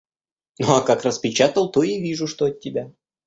Ну, а как распечатал, то и вижу, что от тебя.